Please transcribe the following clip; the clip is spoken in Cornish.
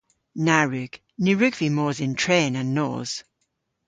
Na wrug. Ny wrug vy mos yn tren an nos.